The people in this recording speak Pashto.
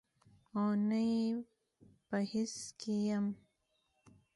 او نه یې په هڅه کې یم